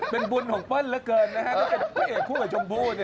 เป็นบุญของเปิ้ลเหลือเกินนะครับนี่เป็นผู้เอกคู่กับชมพู่นี่